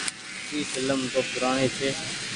اي ڦلم تو پورآڻي ڇي۔